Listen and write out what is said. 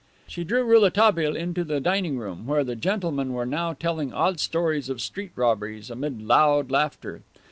She drew Rouletabille into the dining room, where the gentlemen were now telling odd stories of street robberies amid loud laughter.